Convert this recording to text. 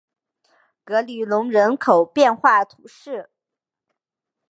格里隆人口变化图示